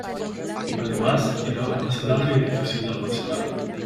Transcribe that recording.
Además era más larga y difícil de almacenar.